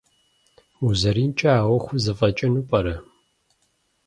МузэринкӀэ а Ӏуэхур зэфӀэкӀыну пӀэрэ?